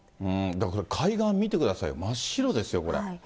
だから海岸見てくださいよ、真っ白ですよ、これ。